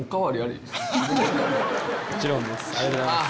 もちろんです。